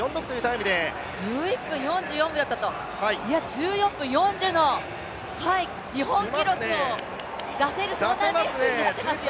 １４分４０の日本記録を出せる、そんなペースになっていますよ。